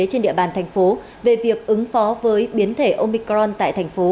trên địa bàn thành phố về việc ứng phó với biến thể omicron tại thành phố